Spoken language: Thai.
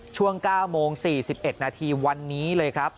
ช่วง๙โมง๔๑นาทีวันนี้เลยครับ